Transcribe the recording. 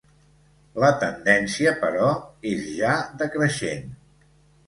La tendència, però, és ja decreixent.